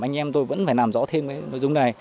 anh em tôi vẫn phải làm rõ thêm cái nội dung này